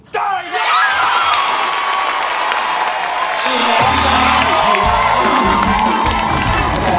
น้องโมรอบ